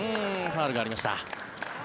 ファウルがありました。